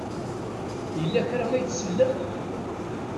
Yella kra ay tsellem?